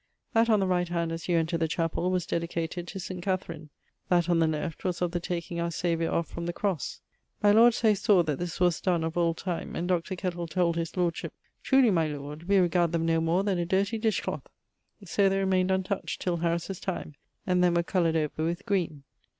That on the right hand as you enter the chapell was dedicated to St. Katharine, that on the left was of the taking our Saviour off from the crosse. My lord Say sawe that this was donne of old time, and Dr. Kettle told his lordship 'Truly, my Lord, we regard them no more then a dirty dish clout'; so they remained untoucht, till Harris's time, and then were coloured over with green.